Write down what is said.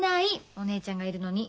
お姉ちゃんがいるのに。